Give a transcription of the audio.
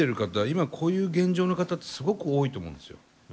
今こういう現状の方ってすごく多いと思うんですよ。